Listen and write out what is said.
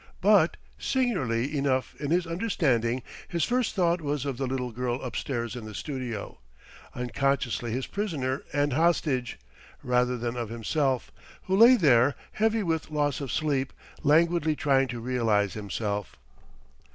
But, singularly enough in his understanding, his first thought was of the girl upstairs in the studio, unconsciously his prisoner and hostage rather than of himself, who lay there, heavy with loss of sleep, languidly trying to realize himself.